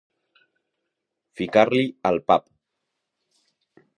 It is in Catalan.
Ficar-li al pap.